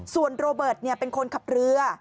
ส่วนโรเบิร์ตเป็นคนขับเรือ